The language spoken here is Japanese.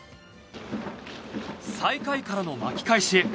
最下位からの巻き返しへ。